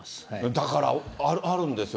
だから、あるんですよ。